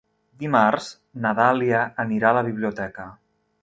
Dimarts na Dàlia anirà a la biblioteca.